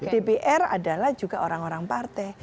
dpr adalah juga orang orang partai